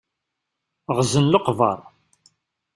Ɣzen leqber.